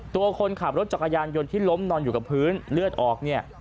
ตัวคนขับรถจักรยานยนต์ที่ล้มนอนอยู่กับพื้นเลือดออกเนี่ย